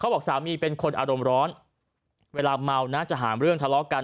บอกสามีเป็นคนอารมณ์ร้อนเวลาเมานะจะหาเรื่องทะเลาะกัน